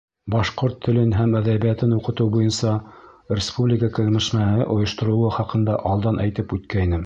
— Башҡорт телен һәм әҙәбиәтен уҡытыу буйынса республика кәңәшмәһе ойошторолоуы хаҡында алдан әйтеп үткәйнем.